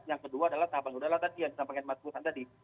yang kedua adalah tahapan yang sudah lah tadi yang disampaikan mas burhan tadi